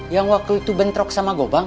yang waktu itu bentrok sama gobang